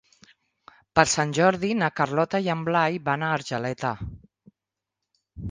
Per Sant Jordi na Carlota i en Blai van a Argeleta.